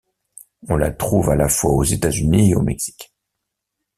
On la trouve à la fois aux États-Unis et au Mexique.